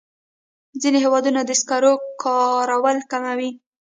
ځینې هېوادونه د سکرو کارول کموي.